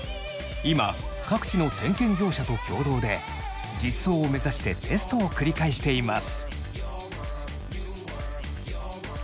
今各地の点検業者と共同で実装をめざしてテストを繰り返しています。